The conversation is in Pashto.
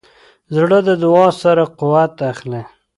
زړه د دعا سره قوت اخلي.